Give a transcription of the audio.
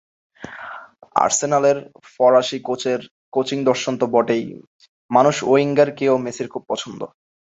আর্সেনালের ফরাসি কোচের কোচিং দর্শন তো বটেই, মানুষ ওয়েঙ্গারকেও মেসির খুব পছন্দ।